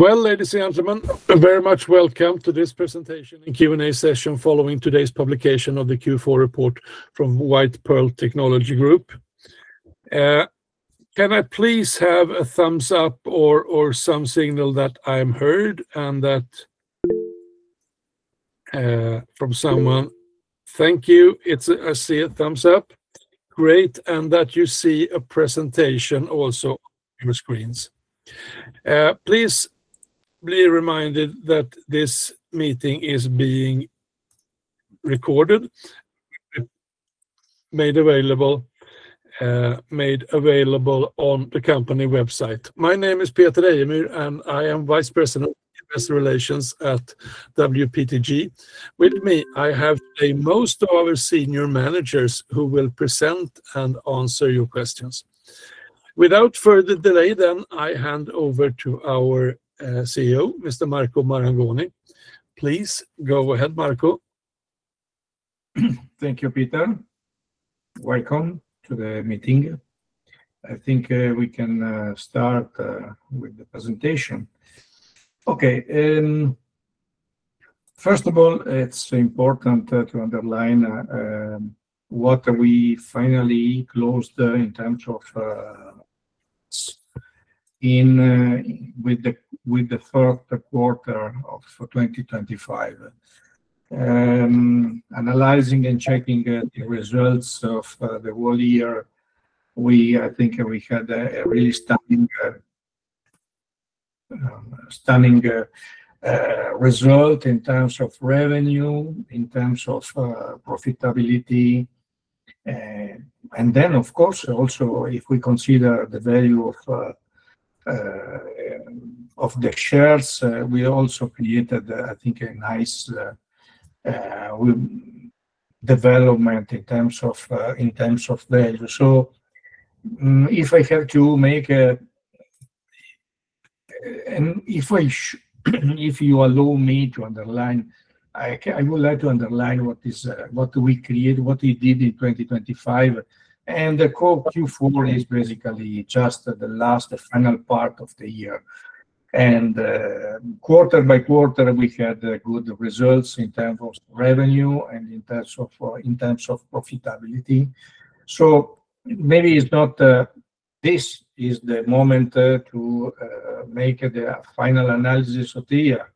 Well, ladies and gentlemen, a very much welcome to this presentation and Q&A session following today's publication of the Q4 report from White Pearl Technology Group. Can I please have a thumbs up or, or some signal that I'm heard and that, from someone? Thank you. It's. I see a thumbs up. Great, and that you see a presentation also on your screens. Please be reminded that this meeting is being recorded, made available, made available on the company website. My name is Peter Ejemyr, and I am Vice President of Investor Relations at WPTG. With me, I have a most of our senior managers who will present and answer your questions. Without further delay, then, I hand over to our CEO, Mr. Marco Marangoni. Please go ahead, Marco. Thank you, Peter. Welcome to the meeting. I think we can start with the presentation. Okay, first of all, it's important to underline what we finally closed in terms of with the third quarter of 2025. Analyzing and checking the results of the whole year, we, I think we had a really stunning result in terms of revenue, in terms of profitability. Then, of course, also, if we consider the value of the shares, we also created, I think, a nice development in terms of value. So, if I have to make a, if you allow me to underline, I would like to underline what is, what we created, what we did in 2025, and the core Q4 is basically just the last, the final part of the year. Quarter-by-quarter, we had good results in terms of revenue and in terms of profitability. So maybe it's not this is the moment to make the final analysis of the year,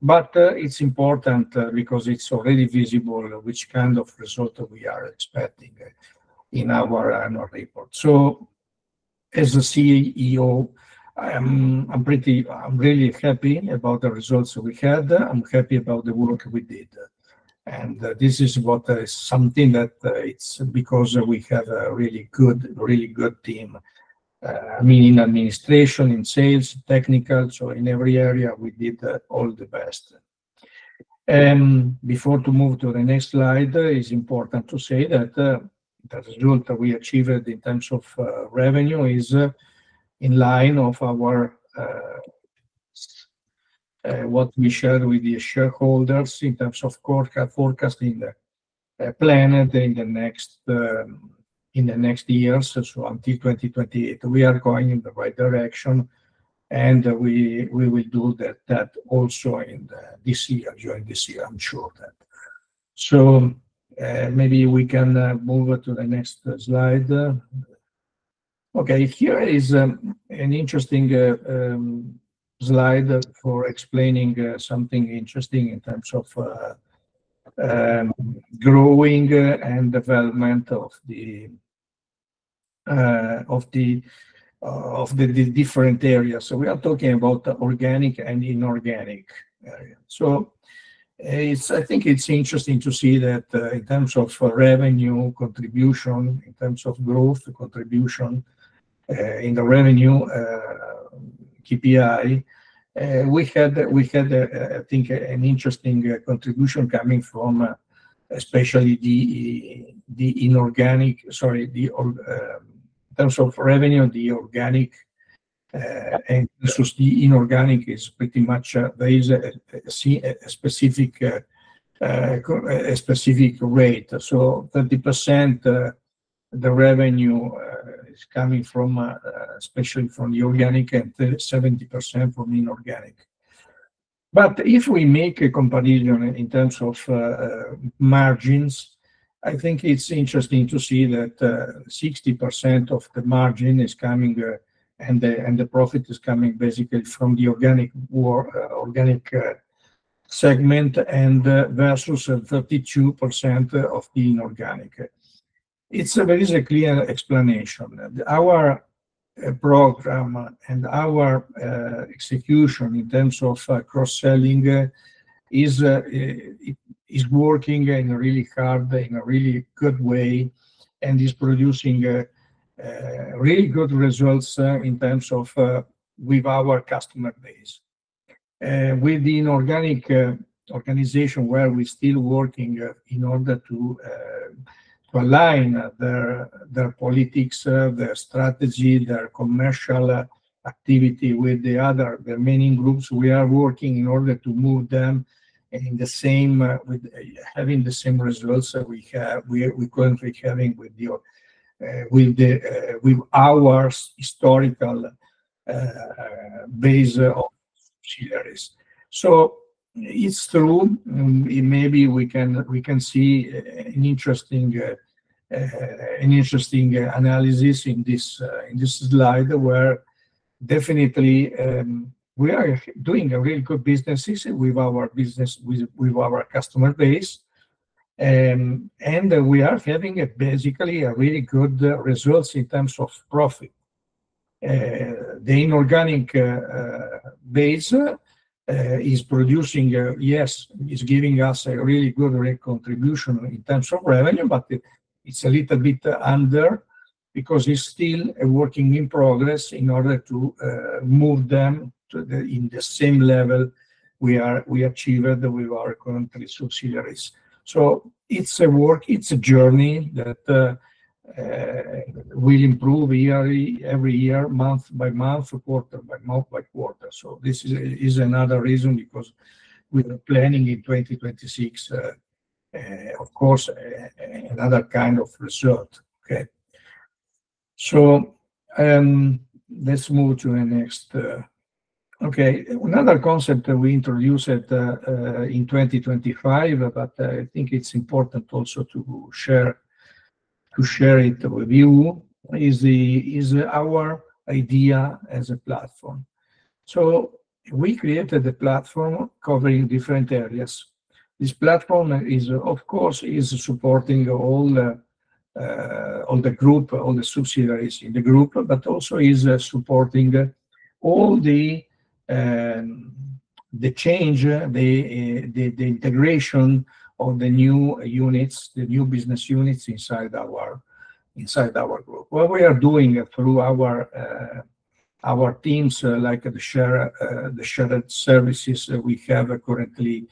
but it's important because it's already visible which kind of result we are expecting in our annual report. So as the CEO, I am, I'm pretty... I'm really happy about the results we had. I'm happy about the work we did, and this is what is something that it's because we have a really good, really good team, I mean, in administration, in sales, technical. So in every area, we did all the best. Before to move to the next slide, it's important to say that the result that we achieved in terms of revenue is in line of our what we shared with the shareholders in terms of CAGR forecasting plan in the next in the next years. So until 2028, we are going in the right direction, and we will do that also in this year, during this year. I'm sure of that. So maybe we can move to the next slide. Okay, here is an interesting slide for explaining something interesting in terms of growing and development of the different areas. So we are talking about organic and inorganic area. So it's—I think it's interesting to see that, in terms of revenue contribution, in terms of growth contribution, in the revenue KPI, we had, I think, an interesting contribution coming from, especially the inorganic, sorry, the organic, in terms of revenue, and versus the inorganic is pretty much, there is a specific rate. So 30%, the revenue, is coming from, especially from the organic and 70% from inorganic. But if we make a comparison in terms of margins, I think it's interesting to see that 60% of the margin is coming, and the profit is coming basically from the organic segment versus 32% of the inorganic. There is a clear explanation. Our program and our execution in terms of cross-selling is working in a really hard, in a really good way, and is producing really good results in terms of with our customer base. With the inorganic organization, where we're still working in order to align their politics, their strategy, their commercial activity with the other remaining groups, we are working in order to move them in the same with having the same results that we have, we're currently having with our historical base of subsidiaries. So it's true, and maybe we can see an interesting analysis in this slide, where definitely we are doing a real good businesses with our business with our customer base and we are having basically a really good results in terms of profit. The inorganic base is producing, yes, is giving us a really good great contribution in terms of revenue, but it's a little bit under because it's still a work in progress in order to move them to the same level we are we achieved with our current subsidiaries. So it's a work, it's a journey that will improve yearly, every year, month by month or quarter by month by quarter. So this is another reason, because we are planning in 2026, of course, another kind of result. Okay. So, let's move to the next. Okay, another concept that we introduced in 2025, but I think it's important also to share it with you, is our idea as a platform. So we created a platform covering different areas. This platform is, of course, supporting all the group, all the subsidiaries in the group, but also is supporting all the change, the integration of the new units, the new business units inside our group. What we are doing through our teams, like the shared services that we have currently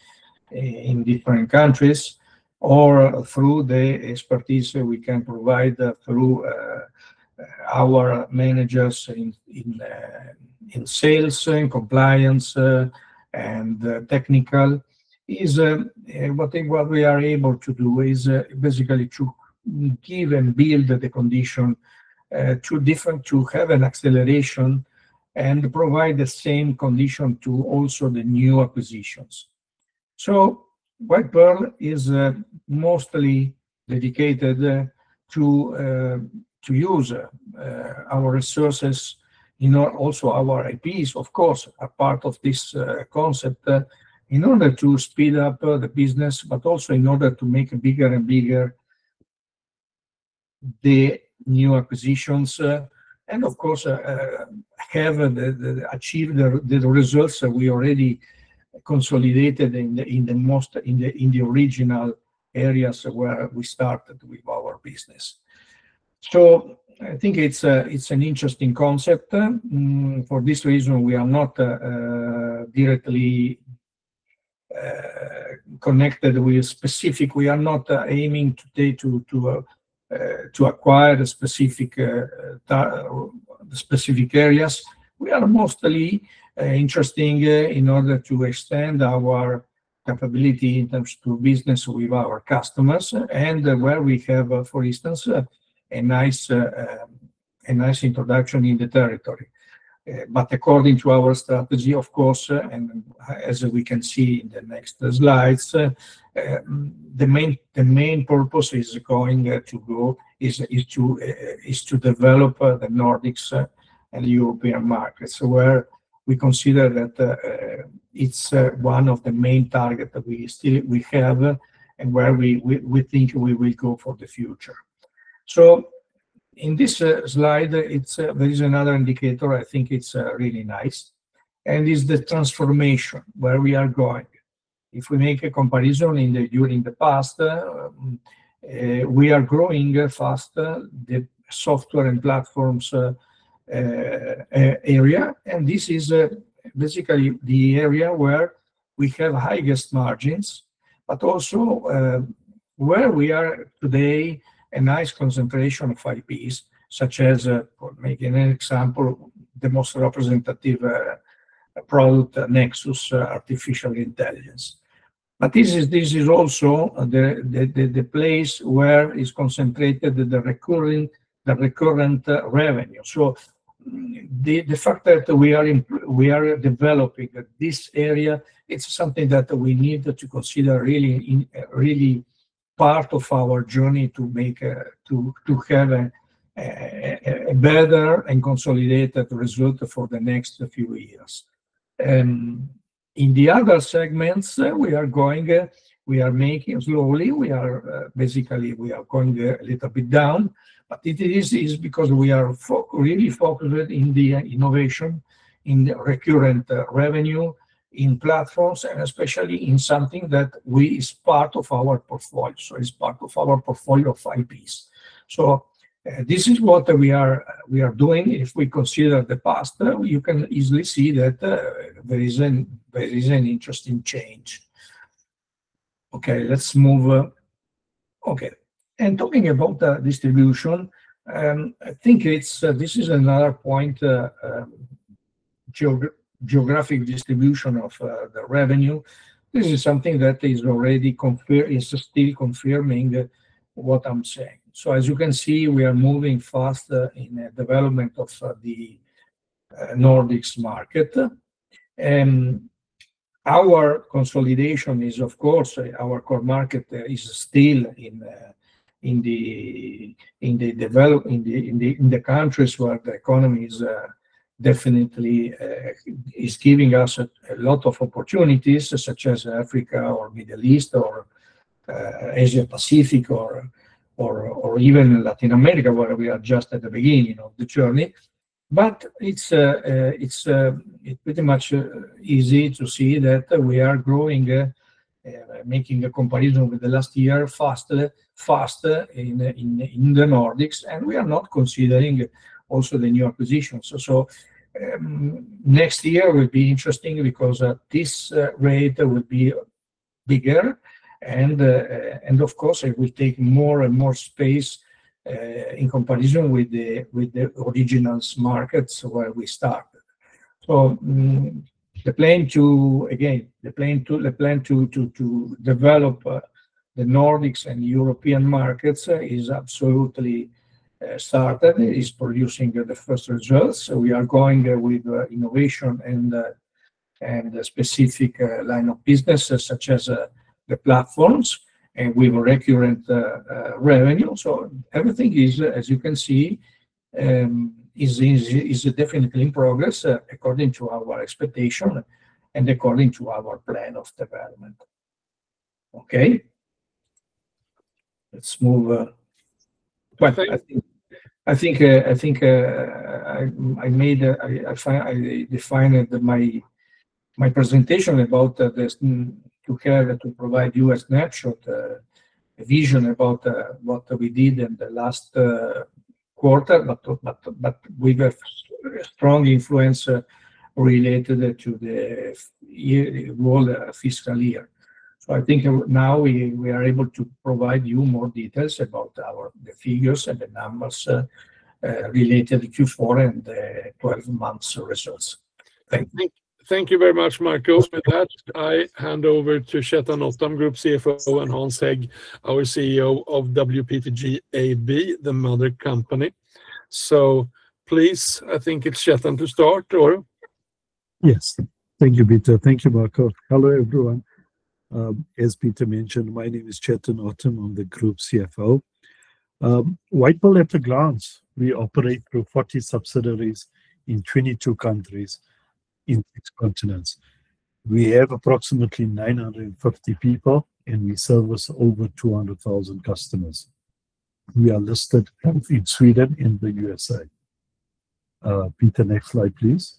in different countries, or through the expertise we can provide through our managers in sales, in compliance, and technical, is what we are able to do, basically to give and build the condition, to different, to have an acceleration and provide the same condition to also the new acquisitions. So White Pearl is mostly dedicated to use our resources, also our IPs, of course, are part of this concept in order to speed up the business, but also in order to make it bigger and bigger, the new acquisitions, and of course achieve the results that we already consolidated in the original areas where we started with our business. So I think it's an interesting concept. For this reason, we are not directly connected with specific... We are not aiming today to acquire a specific ta- or specific areas. We are mostly interested in order to extend our capability in terms to business with our customers, and where we have, for instance, a nice introduction in the territory. But according to our strategy, of course, and as we can see in the next slides, the main purpose is to develop the Nordics and European markets, where we consider that it's one of the main target that we still have and where we think we will go for the future. So in this slide, there is another indicator, I think it's really nice, and is the transformation, where we are going. If we make a comparison during the past, we are growing faster, the software and platforms area, and this is basically the area where we have highest margins, but also where we are today, a nice concentration of IPs, such as making an example, the most representative product, Nexus Artificial Intelligence. But this is also the place where is concentrated the recurring, the recurrent revenue. So, the fact that we are developing this area, it's something that we need to consider really in really part of our journey to make to have a better and consolidated result for the next few years. In the other segments, we are going, we are making slowly, we are, basically, we are going a little bit down, but it is because we are really focused in the innovation, in the recurring revenue, in platforms, and especially in something that is part of our portfolio, so it's part of our portfolio of IPs. So, this is what we are doing. If we consider the past, you can easily see that there is an interesting change. Okay, let's move. Okay, and talking about the distribution, I think it's this is another point, geographic distribution of the revenue. This is something that is still confirming what I'm saying. So as you can see, we are moving faster in the development of the Nordics market. Our consolidation is, of course, our core market is still in the countries where the economy is definitely giving us a lot of opportunities, such as Africa or Middle East or Asia Pacific or even Latin America, where we are just at the beginning of the journey. But it's pretty much easy to see that we are growing, making a comparison with the last year, faster, faster in the Nordics, and we are not considering also the new acquisitions. So, next year will be interesting because this rate will be bigger and, and of course, it will take more and more space in comparison with the original markets where we started. So, the plan to develop the Nordics and European markets is absolutely started, is producing the first results. So we are going with innovation and specific line of businesses, such as the platforms, and with recurring revenue. So everything is, as you can see, is definitely in progress according to our expectation and according to our plan of development. Okay. Let's move. I think I defined my presentation about this to care to provide you a snapshot vision about what we did in the last quarter, but with a strong influence related to the whole fiscal year. So I think now we are able to provide you more details about our the figures and the numbers related to Q4 and 12 months results. Thank you. Thank you very much, Marco. With that, I hand over to Chetan Ottam, Group CFO, and Hans Hägg, our CEO of WPTG AB, the mother company. So please, I think it's Chetan to start, or? Yes. Thank you, Peter. Thank you, Marco. Hello, everyone. As Peter mentioned, my name is Chetan Ottam. I'm the Group CFO. White Pearl at a glance, we operate through 40 subsidiaries in 22 countries in 6 continents. We have approximately 950 people, and we service over 200,000 customers. We are listed both in Sweden and the USA. Peter, next slide, please.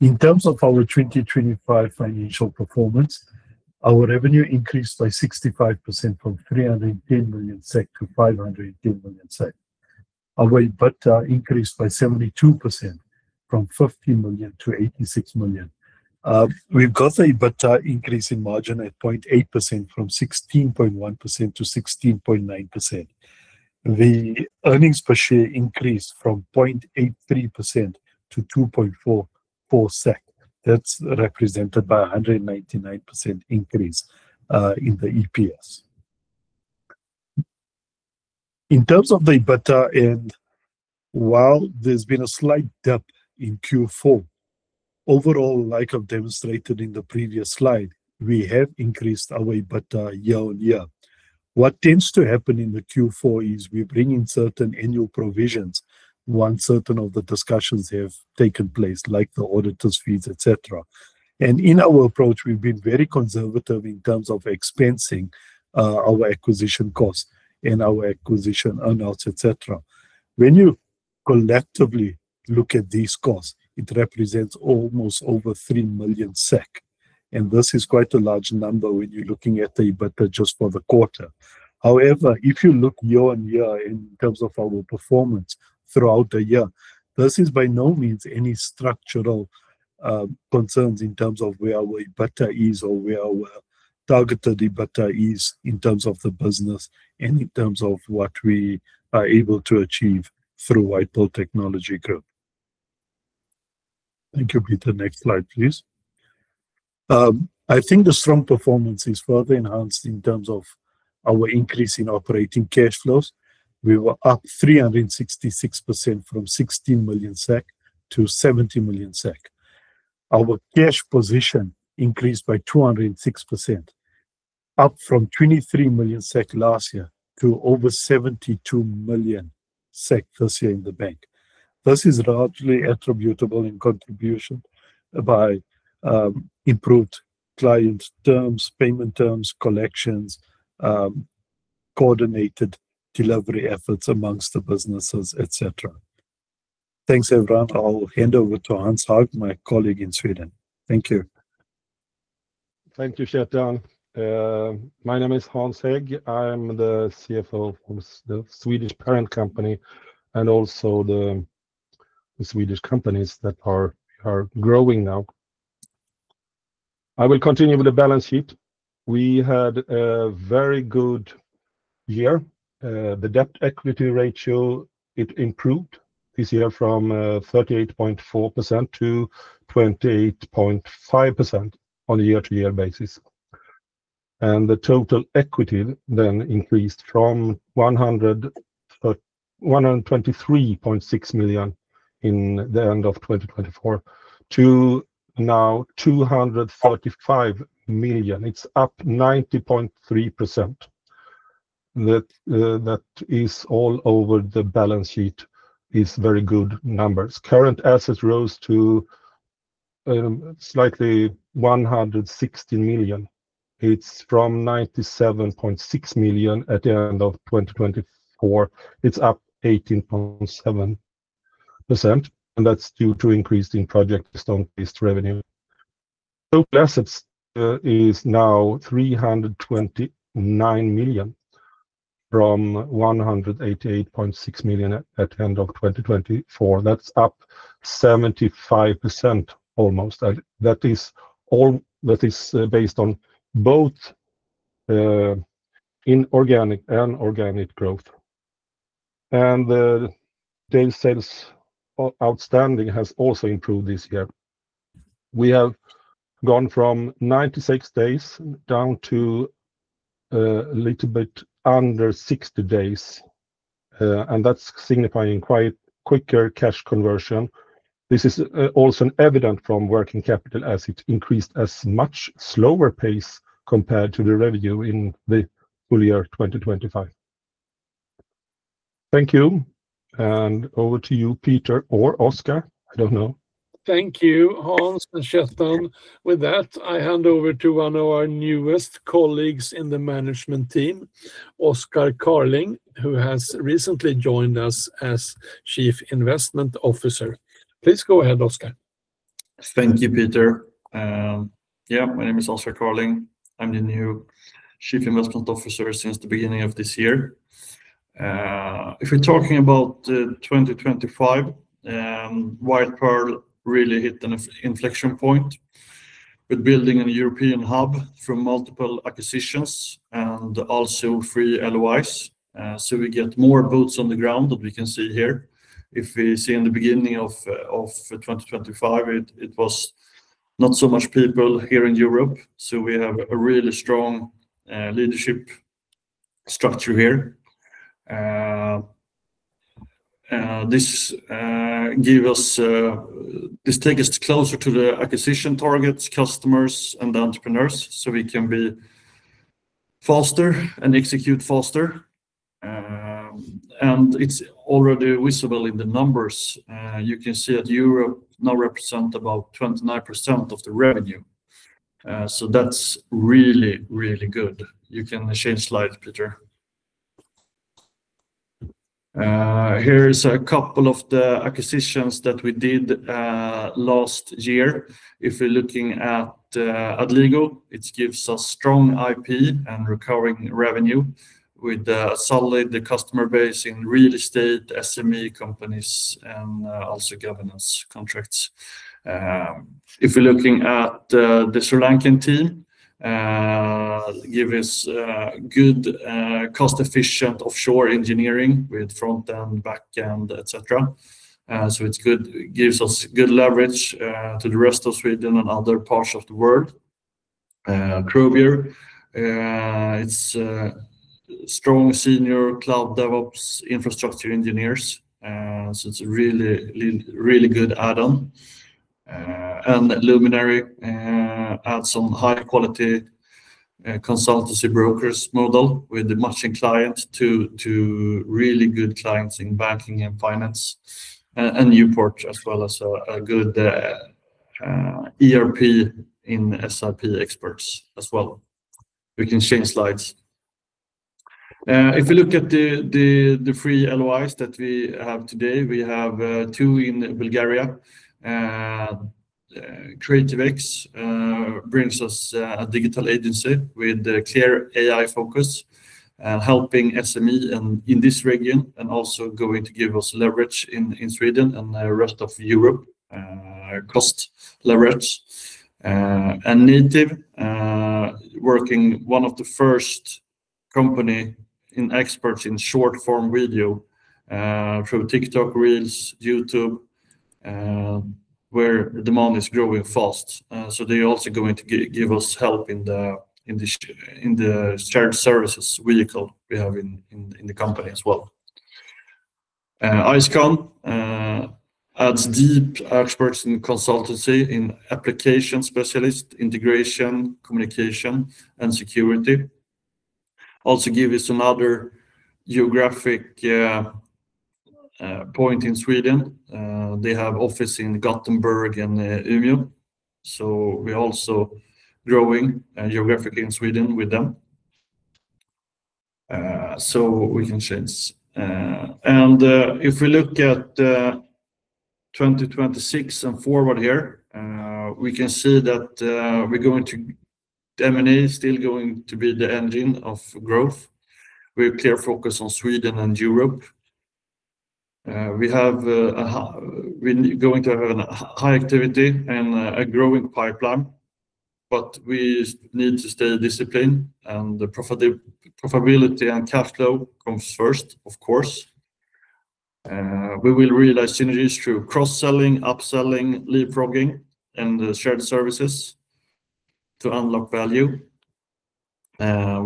In terms of our 2025 financial performance, our revenue increased by 65% from 310 million-510 million SEK. Our EBITDA increased by 72%, from 50 million-86 million. We've got an EBITDA increase in margin at 0.8%, from 16.1%-16.9%. The earnings per share increased from 0.83-2.44 SEK. That's represented by a 199% increase in the EPS. In terms of the EBITDA, and while there's been a slight dip in Q4, overall, like I've demonstrated in the previous slide, we have increased our EBITDA year-on-year. What tends to happen in the Q4 is we bring in certain annual provisions once certain of the discussions have taken place, like the auditors' fees, etc. In our approach, we've been very conservative in terms of expensing our acquisition costs and our acquisition earn-outs, et cetera. When you collectively look at these costs, it represents almost over 3 million SEK, and this is quite a large number when you're looking at the EBITDA just for the quarter. However, if you look year on year in terms of our performance throughout the year, this is by no means any structural concerns in terms of where our EBITDA is or where our targeted EBITDA is in terms of the business and in terms of what we are able to achieve through White Pearl Technology Group. Thank you, Peter. Next slide, please. I think the strong performance is further enhanced in terms of our increase in operating cash flows. We were up 366% from 16 million-70 million SEK. Our cash position increased by 206%, up from 23 million SEK last year to over 72 million SEK this year in the bank. This is largely attributable in contribution by improved client terms, payment terms, collections, coordinated delivery efforts amongst the businesses, et cetera. Thanks, everyone. I'll hand over to Hans Hägg, my colleague in Sweden. Thank you. Thank you, Chettan. My name is Hans Hägg. I'm the CFO of the Swedish parent company and also the Swedish companies that are growing now. I will continue with the balance sheet. We had a very good year. The debt equity ratio, it improved this year from 38.4% to 28.5% on a year-to-year basis and the total equity then increased from 123.6 million at the end of 2024 to now 245 million. It's up 90.3%. That is all over the balance sheet is very good numbers. Current assets rose to slightly 160 million. It's from 97.6 million at the end of 2024. It's up 18.7%, and that's due to increase in project-based revenue. Total assets is now 329 million, from 188.6 million at end of 2024. That's up 75% almost. That is based on both inorganic and organic growth and the days sales outstanding has also improved this year. We have gone from 96 days down to a little bit under 60 days, and that's signifying quite quicker cash conversion. This is also evident from working capital as it increased at a much slower pace compared to the revenue in the full year 2025. Thank you, and over to you, Peter or Oscar, I don't know. Thank you, Hans and Chettan. With that, I hand over to one of our newest colleagues in the Management team, Oscar Carling, who has recently joined us as Chief Investment Officer. Please go ahead, Oscar. Thank you, Peter. Yeah, my name is Oscar Carling. I'm the new Chief Investment Officer since the beginning of this year. If we're talking about 2025, White Pearl really hit an inflection point with building a European hub from multiple acquisitions and also three LOIs. So we get more boots on the ground that we can see here. If we see in the beginning of 2025, it was not so much people here in Europe, so we have a really strong leadership structure here. This take us closer to the acquisition targets, customers, and entrepreneurs, so we can be faster and execute faster and it's already visible in the numbers. You can see that Europe now represent about 29% of the revenue. So that's really, really good. You can change slide, Peter. Here is a couple of the acquisitions that we did last year. If we're looking at Adligo, it gives us strong IP and recurring revenue with a solid customer base in real estate, SME companies, and also governance contracts. If we're looking at the Sri Lankan team, give us good cost-efficient offshore engineering with front end, back end, et cetera. So it gives us good leverage to the rest of Sweden and other parts of the world. Klarib, it's a strong senior cloud DevOps infrastructure engineers, so it's a really, really good add-on. Luminary adds some high-quality consultancy brokers model with the matching client to really good clients in banking and finance, and Nuport as well as a good ERP and SRP experts as well. We can change slides. If you look at the three LOIs that we have today, we have two in Bulgaria. CreativeX brings us a digital agency with a clear AI focus and helping SME and in this region, and also going to give us leverage in Sweden and the rest of Europe, cost leverage and Native working one of the first company and experts in short-form video through TikTok, Reels, YouTube, where demand is growing fast. So they're also going to give us help in the, in the shared services vehicle we have in, in, in the company as well. Icecon adds deep experts in consultancy, in application specialist, integration, communication, and security. Also give you some other geographic point in Sweden. They have office in Gothenburg and Umeå, so we're also growing geographically in Sweden with them. So we can change. If we look at 2026 and forward here, we can see that we're going to... M&A is still going to be the engine of growth, with clear focus on Sweden and Europe. We have a we're going to have an high activity and a growing pipeline, but we need to stay disciplined, and the profitability and cash flow comes first, of course... We will realize synergies through cross-selling, upselling, leapfrogging, and shared services to unlock value.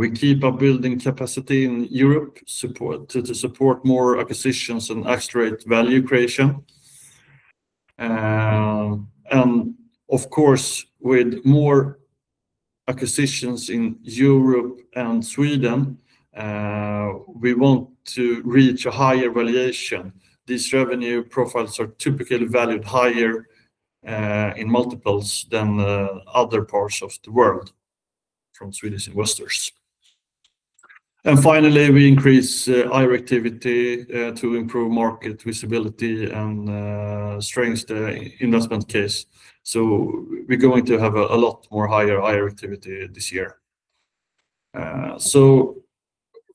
We keep on building capacity in Europe support to support more acquisitions and accelerate value creation and of course, with more acquisitions in Europe and Sweden, we want to reach a higher valuation. These revenue profiles are typically valued higher in multiples than other parts of the world from Swedish investors. Finally, we increase IR activity to improve market visibility and strengthen the investment case. So we're going to have a lot more higher IR activity this year. So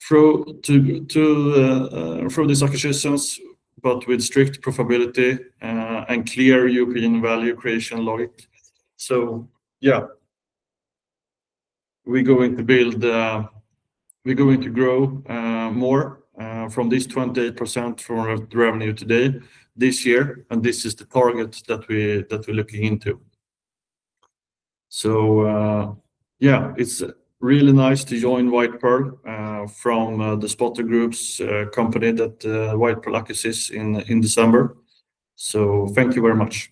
through to from these acquisitions, but with strict profitability and clear European value creation logic. So yeah, we're going to build. We're going to grow more from this 28% from our revenue today, this year, and this is the target that we're looking into. So, yeah, it's really nice to join White Pearl from the Spotter Group company that White Pearl acquired in December. So thank you very much.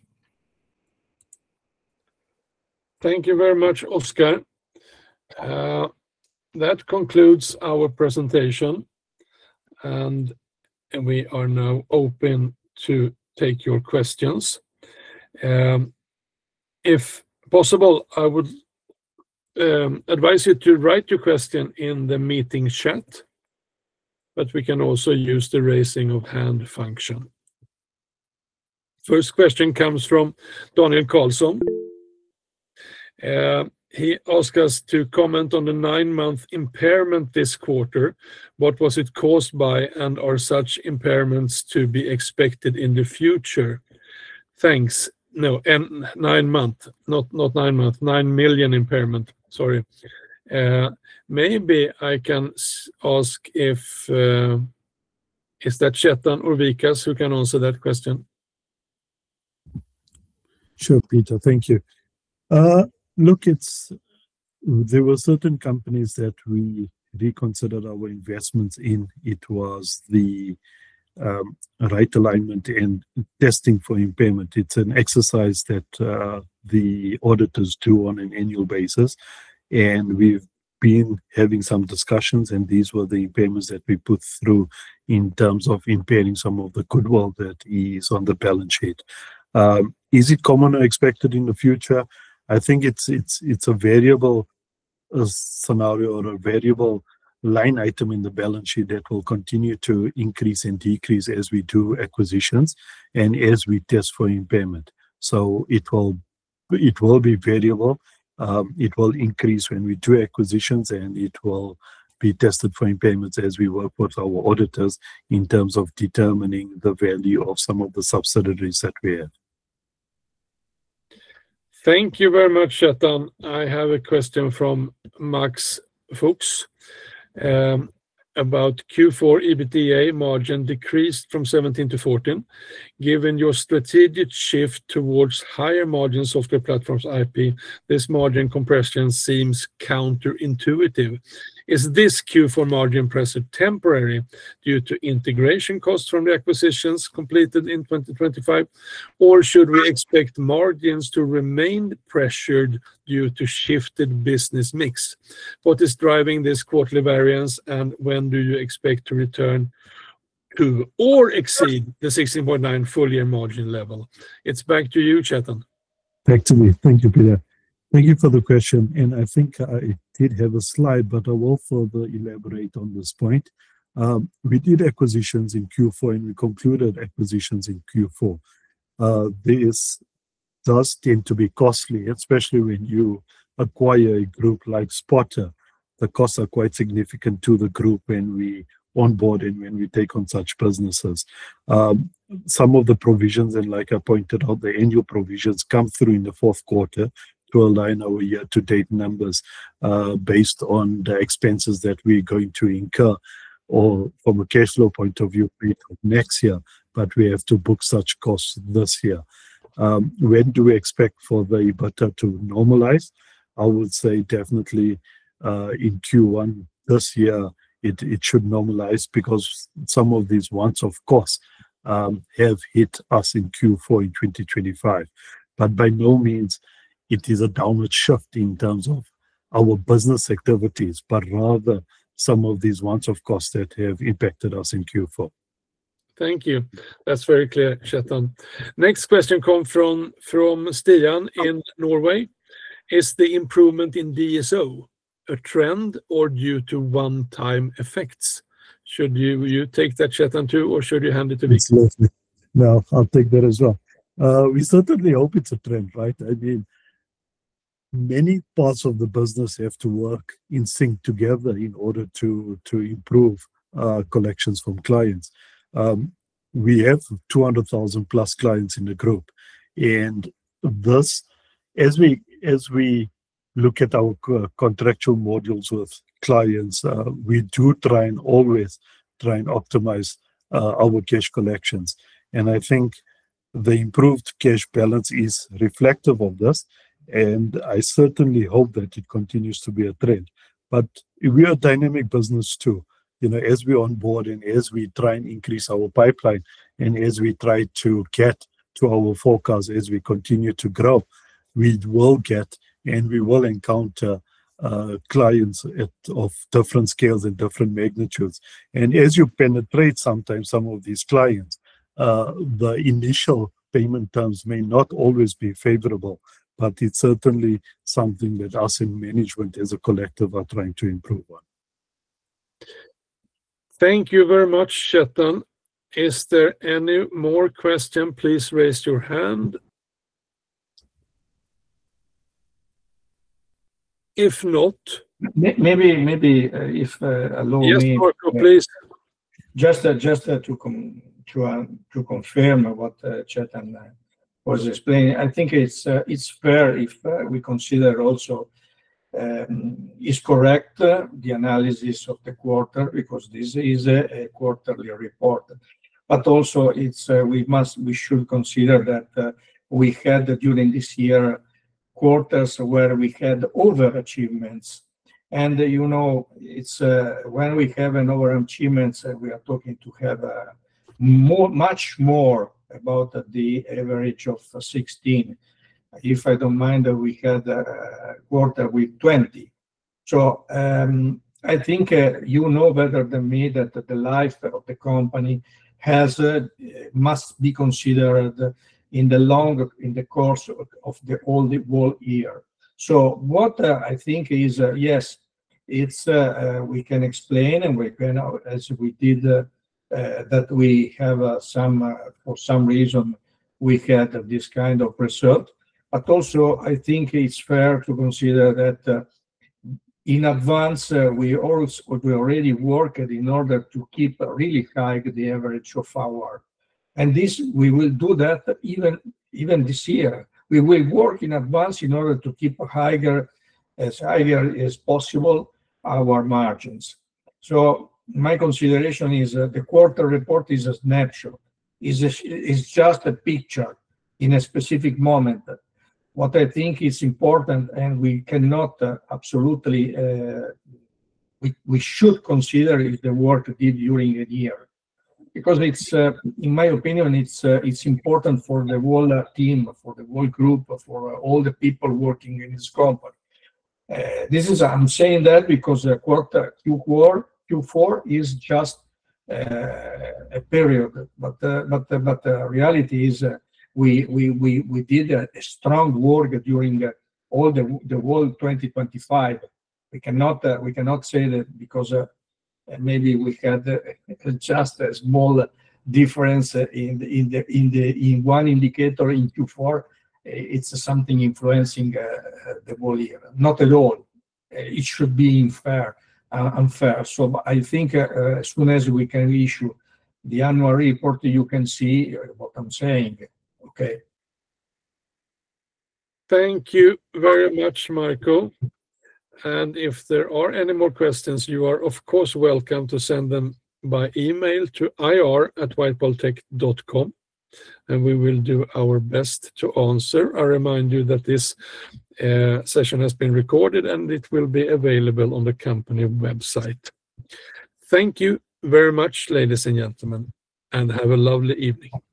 Thank you very much, Oscar. That concludes our presentation, and we are now open to take your questions. If possible, I would advise you to write your question in the meeting chat, but we can also use the raising of hand function. First question comes from Daniel Carlson. He asked us to comment on the nine-month impairment this quarter. What was it caused by, and are such impairments to be expected in the future? Thanks. No, and nine-month, not nine-month, 9 million impairment, sorry. Maybe I can ask if is that Chetan or Vikas who can answer that question? Sure, Peter. Thank you. Look, it's, there were certain companies that we reconsidered our investments in. It was the right alignment and testing for impairment. It's an exercise that the auditors do on an annual basis, and we've been having some discussions, and these were the impairments that we put through in terms of impairing some of the goodwill that is on the balance sheet. Is it common or expected in the future? I think it's a variable scenario or a variable line item in the balance sheet that will continue to increase and decrease as we do acquisitions and as we test for impairment. So it will be variable. It will increase when we do acquisitions, and it will be tested for impairments as we work with our auditors in terms of determining the value of some of the subsidiaries that we have. Thank you very much, Chettan. I have a question from Max Fuchs about Q4 EBITDA margin decreased from 17%-14%. Given your strategic shift towards higher margin software platforms IP, this margin compression seems counterintuitive. Is this Q4 margin pressure temporary due to integration costs from the acquisitions completed in 2025? Or should we expect margins to remain pressured due to shifted business mix? What is driving this quarterly variance, and when do you expect to return to or exceed the 16.9% full-year margin level? It's back to you, Chettan. Back to me. Thank you, Peter. Thank you for the question, and I think I did have a slide, but I will further elaborate on this point. We did acquisitions in Q4, and we concluded acquisitions in Q4. This does tend to be costly, especially when you acquire a group like Spotter. The costs are quite significant to the group when we onboard and when we take on such businesses. Some of the provisions, and like I pointed out, the annual provisions come through in the fourth quarter to align our year-to-date numbers, based on the expenses that we're going to incur, or from a cash flow point of view, next year, but we have to book such costs this year. When do we expect for the EBITDA to normalize? I would say definitely in Q1 this year, it should normalize because some of these ones, of course, have hit us in Q4 in 2025. But by no means it is a downward shift in terms of our business activities, but rather some of these ones, of course, that have impacted us in Q4. Thank you. That's very clear, Chettan. Next question comes from Stian in Norway. Is the improvement in DSO a trend or due to one-time effects? Should you take that, Chettan, too, or should you hand it to Vikas? Absolutely. No, I'll take that as well. We certainly hope it's a trend, right? I mean, many parts of the business have to work in sync together in order to improve collections from clients. We have 200,000+ clients in the group, and thus, as we look at our co-contractual modules with clients. We do try and always try and optimize our cash collections and I think the improved cash balance is reflective of this, and I certainly hope that it continues to be a trend. But we are a dynamic business, too. You know, as we onboard and as we try and increase our pipeline, and as we try to get to our forecast, as we continue to grow, we will get and we will encounter clients of different scales and different magnitudes. As you penetrate sometimes some of these clients, the initial payment terms may not always be favorable, but it's certainly something that us in management, as a collective, are trying to improve on. Thank you very much, Chettan. Is there any more question? Please raise your hand. If not- Maybe, if you allow me- Yes, Marco, please. Just, just, to confirm what Chetan was explaining. I think it's fair if we consider also is correct the analysis of the quarter, because this is a quarterly report. But also, we must, we should consider that we had, during this year, quarters where we had over achievements. You know, it's when we have an over achievements, we are talking to have more, much more about the average of 16. If I don't mind, we had a quarter with 20. So, I think you know better than me that the life of the company has must be considered in the long course of the whole year. So, what I think is, yes, it's, we can explain, and we can, as we did, that we have some for some reason, we had this kind of result. But also, I think it's fair to consider that, in advance, we already worked in order to keep really high the average of our... and this, we will do that even, even this year. We will work in advance in order to keep higher, as higher as possible, our margins. So my consideration is that the quarter report is a snapshot. It's a, it's just a picture in a specific moment. What I think is important, and we cannot absolutely, we should consider the work we did during a year. Because it's, in my opinion, it's important for the whole team, for the whole group, for all the people working in this company. This is... I'm saying that because the quarter, Q4, Q4 is just a period, but the reality is, we did strong work during all the whole 2025. We cannot say that because, maybe we had just a small difference in the one indicator in Q4, it's something influencing the whole year. Not at all. It should be fair, and fair. So I think, as soon as we can issue the annual report, you can see what I'm saying. Okay? Thank you very much, Marco. If there are any more questions, you are, of course, welcome to send them by email to ir@whitepearltech.com, and we will do our best to answer. I remind you that this session has been recorded, and it will be available on the company website. Thank you very much, ladies and gentlemen, and have a lovely evening.